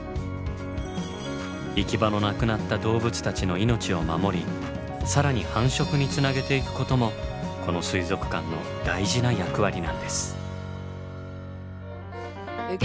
行き場のなくなった動物たちの命を守り更に繁殖につなげていくこともこの水族館の大事な役割なんです。